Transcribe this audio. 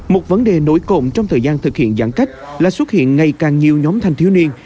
một vấn đề nổi cộng trong thời gian thực hiện giãn cách là xuất hiện ngày càng nhiều nhóm thanh thiếu niên